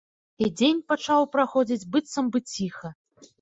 І дзень пачаў праходзіць быццам бы ціха.